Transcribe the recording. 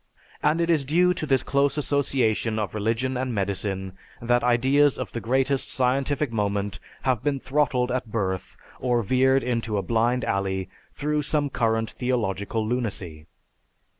And it is due to this close association of religion and medicine that ideas of the greatest scientific moment have been throttled at birth or veered into a blind alley through some current theological lunacy.